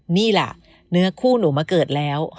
นี่ล่ะเนื้อคู่หนูมาเกิดแล้ว